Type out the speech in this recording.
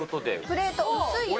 プレート、薄いよね。